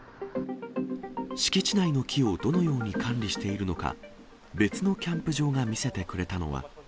敷地内の木をどのように管理しているのか、別のキャンプ場が見せてくれたのは。